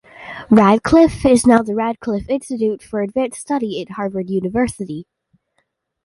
Radcliffe is now the Radcliffe Institute for Advanced Study at Harvard University.